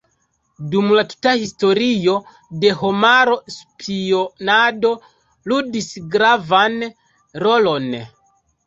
Dum la tuta Historio de homaro spionado ludis gravan rolon.